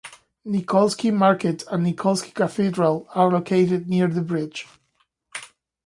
Nikolsky Market and Nikolsky Cathedral are located near the bridge.